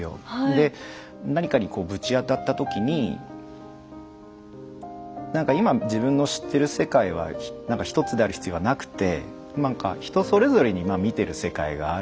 で何かにこうぶち当たった時になんか今自分の知ってる世界はなんか一つである必要はなくてなんか人それぞれに見てる世界がある。